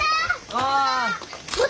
ああ。